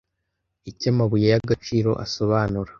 Icyo amabuye y'agaciro asobanura